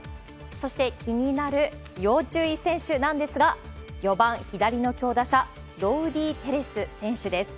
そして、気になる要注意選手なんですが、４番左の強打者、ロウディ・テレス選手です。